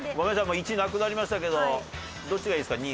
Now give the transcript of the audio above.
１なくなりましたけどどっちがいいですか？